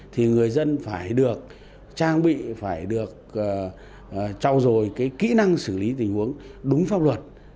thì người dân phải được trang bị phải được trao dồi cái kỹ năng xử lý tình huống đúng pháp luật